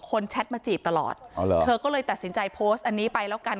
แชทมาจีบตลอดอ๋อเหรอเธอก็เลยตัดสินใจโพสต์อันนี้ไปแล้วกัน